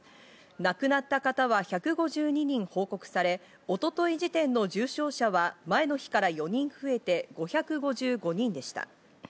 亡くなった方は１５２人に報告され、一昨日時点の重症者は前の日から４人増えて５５５人でした。